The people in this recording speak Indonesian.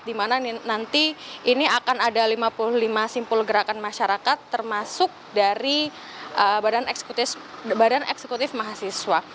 di mana nanti ini akan ada lima puluh lima simpul gerakan masyarakat termasuk dari badan eksekutif mahasiswa